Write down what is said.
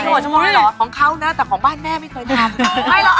๖ชั่วโมงด้วยเหรอของเขานะแต่ของบ้านแม่ไม่เคยทำ